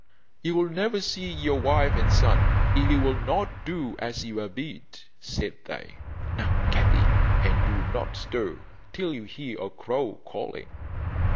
'You will never see your wife and son if you will not do as you are bid,' said they. 'Now get in, and do not stir till you hear a crow calling.